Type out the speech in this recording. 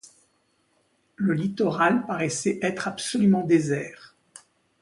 Le littoral paraissait être absolument désert.